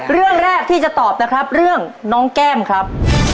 เรื่องแรกที่จะตอบนะครับเรื่องน้องแก้มครับ